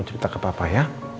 cerita ke papa ya